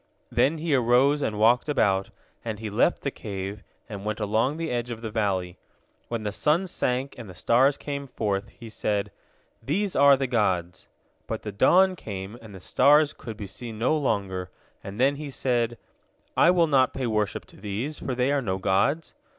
Then he arose and walked about, and he left the cave, and went along the edge of the valley. When the sun sank, and the stars came forth, he said, "These are the gods!" But the dawn came, and the stars could be seen no longer, and then he said, "I will not pay worship to these, for they are no gods."